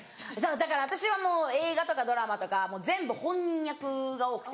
だから私は映画とかドラマとか全部本人役が多くて。